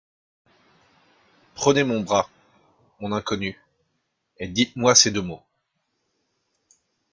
Prenez mon bras, mon inconnue, et dites-moi ces deux mots…